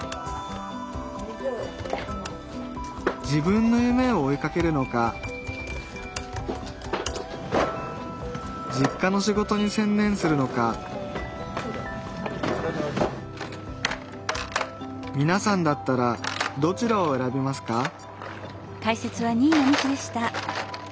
自分の夢を追いかけるのか実家の仕事に専念するのかみなさんだったらどちらを選びますか？